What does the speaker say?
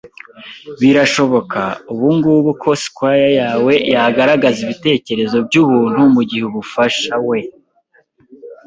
birashoboka, ubungubu, ko squire yawe yagaragaza ibitekerezo-byubuntu mugihe ubufasha - we